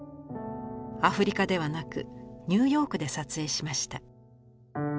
アフリカではなくニューヨークで撮影しました。